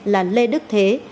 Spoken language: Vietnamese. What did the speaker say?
là lê đức thế